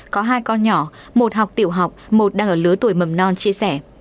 có hai con nhỏ một học tiểu học một đang ở lứa tuổi mầm non chia sẻ